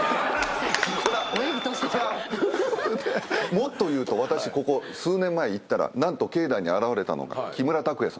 もっと言うと私ここ数年前に行ったら何と境内に現れたのが木村拓哉さん。